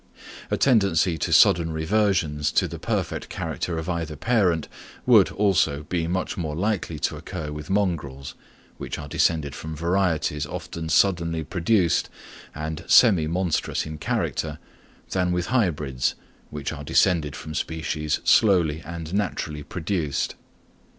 A tendency to sudden reversions to the perfect character of either parent would, also, be much more likely to occur with mongrels, which are descended from varieties often suddenly produced and semi monstrous in character, than with hybrids, which are descended from species slowly and naturally produced.